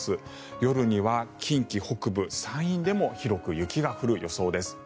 夜には近畿北部、山陰でも広く雪が降る予想です。